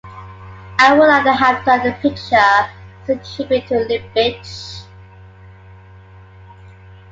I would like to have done the picture as a tribute to Lubitsch.